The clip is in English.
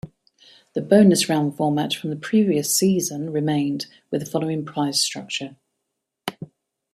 The bonus round format from the previous season remained, with the following prize structure.